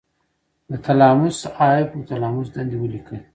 د تلاموس او هایپو تلاموس دندې ولیکئ.